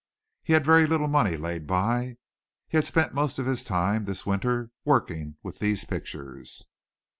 He had very little money laid by. He had spent most of his time this winter working with these pictures.